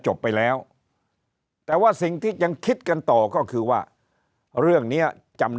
จบไปแล้วแต่ว่าสิ่งที่ยังคิดกันต่อก็คือว่าเรื่องนี้จำ